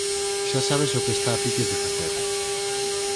Xa sabes o que está a piques de facer.